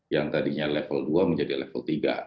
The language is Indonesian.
yang tadinya level dua menjadi level tiga